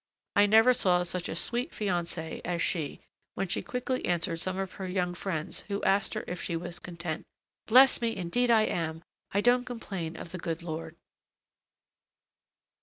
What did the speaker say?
I never saw such a sweet fiancée as she when she quickly answered some of her young friends who asked her if she was content: "Bless me! indeed I am! I don't complain of the good Lord."